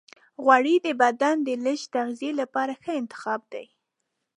غوړې د بدن د لږ تغذیې لپاره ښه انتخاب دی.